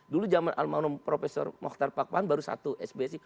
dulu zaman al ma'unum profesor mohtar pakman baru satu sbi